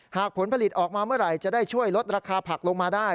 ผลผลิตออกมาเมื่อไหร่จะได้ช่วยลดราคาผักลงมาได้